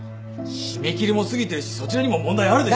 締め切りも過ぎてるしそちらにも問題あるでしょう。